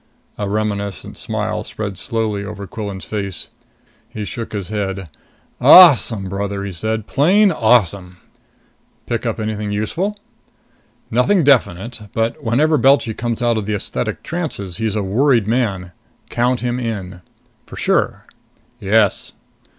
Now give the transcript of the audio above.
A reminiscent smile spread slowly over Quillan's face. He shook his head. "Awesome, brother!" he said. "Plain awesome!" "Pick up anything useful?" "Nothing definite. But whenever Belchy comes out of the esthetic trances, he's a worried man. Count him in." "For sure?" "Yes."